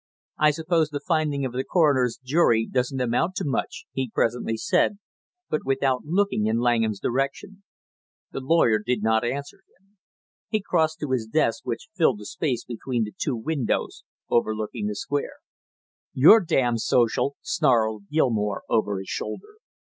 "I suppose the finding of the coroner's jury doesn't amount to much," he presently said but without looking in Langham's direction. The lawyer did not answer him. He crossed to his desk which filled the space between the two windows overlooking the Square. "You're damn social!" snarled Gilmore over his shoulder.